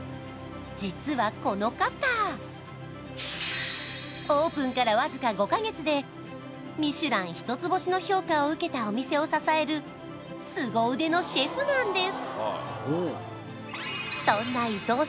実はこの方オープンからわずか５か月でミシュラン１つ星の評価を受けたお店を支えるすご腕のシェフなんです